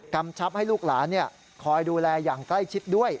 กำชับให้ลูกหลานคอยดูแลอย่างใกล้ชิดด้วย